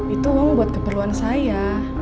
itu memang buat keperluan saya